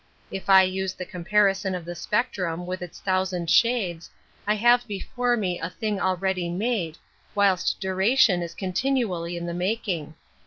If I use the com parison of the spectrum with its thousand shades, I have before me a thing already made, whilst duration is continually in the \ making.